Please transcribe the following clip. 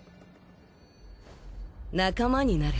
仲間になれ。